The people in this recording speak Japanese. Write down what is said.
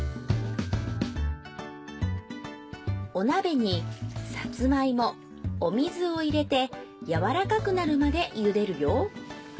お鍋にさつまいもお水を入れてやわらかくなるまで茹でるよ。